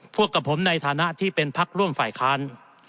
พวกกับผมในฐานะที่เป็นพักร่วมฝ่ายค้าน